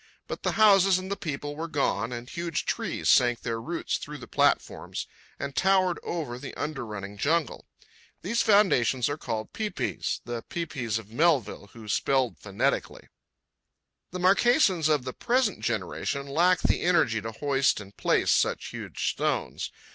But the houses and the people were gone, and huge trees sank their roots through the platforms and towered over the under running jungle. These foundations are called pae paes—the pi pis of Melville, who spelled phonetically. The Marquesans of the present generation lack the energy to hoist and place such huge stones.